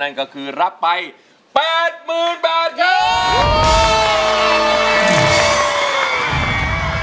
นั่นก็คือรับไป๘๐๐๐บาทครับ